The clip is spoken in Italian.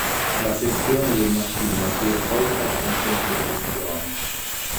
La sessione del mattino si è svolta senza interruzioni.